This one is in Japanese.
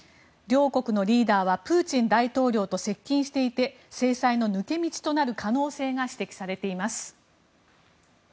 両国のリーダーはプーチン大統領と接近していて制裁の抜け道となる可能性が指摘されています。